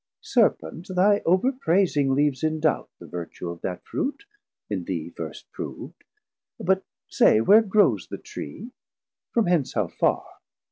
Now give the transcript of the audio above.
Serpent, thy overpraising leaves in doubt The vertue of that Fruit, in thee first prov'd: But say, where grows the Tree, from hence how far?